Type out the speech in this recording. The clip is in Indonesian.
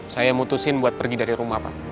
saya mutusin buat pergi dari rumah pak